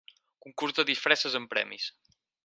Concurs de disfresses amb premis.